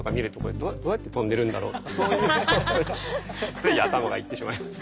つい頭がいってしまいます。